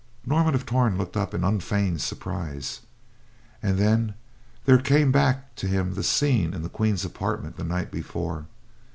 Norman of Torn looked up in unfeigned surprise, and then there came back to him the scene in the Queen's apartment the night before.